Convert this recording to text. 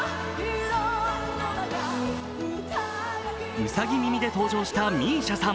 うさぎ耳で登場したＭＩＳＩＡさん。